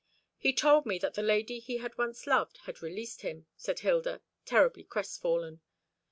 "He told me that the lady he had once loved had released him," said Hilda, terribly crestfallen.